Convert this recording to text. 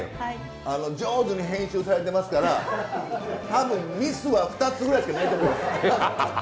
上手に編集されてますから多分ミスは２つぐらいしかハハハハ。